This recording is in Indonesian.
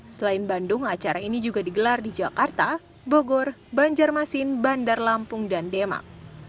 selain bandung acara ini juga digelar di jakarta bogor banjarmasin bandar lampung dan demak